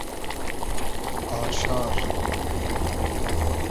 آشار